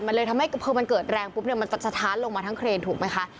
มันเลยทำให้พอมันเกิดแรงปุ๊บเนี่ยมันจะสะท้านลงมาทั้งเครนถูกไหมคะ